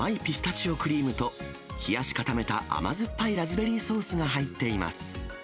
中には甘いピスタチオクリームと冷やし固めた甘酸っぱいラズベリーソースも入っています。